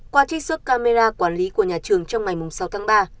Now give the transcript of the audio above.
qua trích xuất camera quản lý của nhà trường trong ngày sáu tháng ba